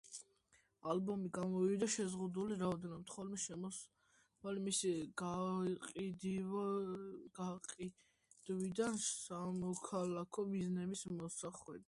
ალბომი გამოვიდა შეზღუდული რაოდენობით, ხოლო შემოსავალი მისი გაყიდვიდან საქველმოქმედო მიზნებს მოხმარდა.